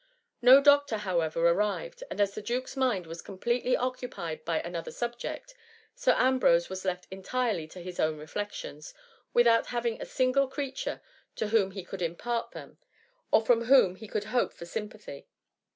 No doctor, however, arrived, and as the Duke's mind was completely occupied by another subject, Sir Ambrose was left entirely to his own reflections, without hav ing a single creature to whom he could impart 16ft THE MUM Mr. them, or from whom he could hope for sym pathy.